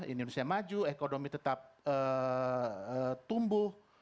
indonesia maju ekonomi tetap tumbuh